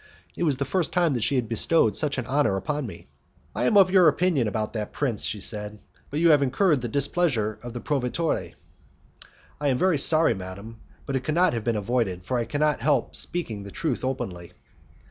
It was the first time that she had bestowed such an honour upon me. "I am of your opinion about that prince," she said, "but you have incurred the displeasure of the proveditore." "I am very sorry, madam, but it could not have been avoided, for I cannot help speaking the truth openly."